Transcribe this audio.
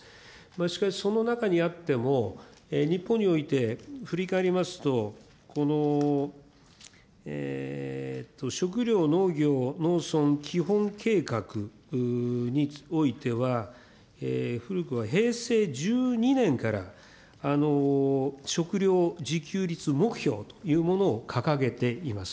しかし、その中にあっても、日本において振り返りますと、この食料、農業、農村基本計画においては、古くは平成１２年から、食料自給率目標というものを掲げています。